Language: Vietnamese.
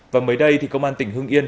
và mới đây công an tỉnh hương